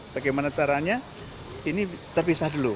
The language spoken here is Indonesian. bagaimana caranya ini terpisah dulu